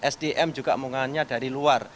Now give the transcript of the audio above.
sdm juga omongannya dari luar